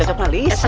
aduh cocoknya lis